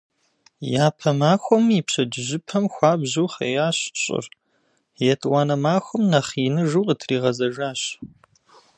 Япэ махуэм и пщэдджыжьыпэм хуабжьу хъеящ щӀыр, етӀуанэ махуэм нэхъ иныжу къытригъэзэжэщ.